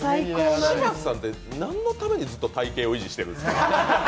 柴田さんて、なんのためにずっと体型を維持してるんですか？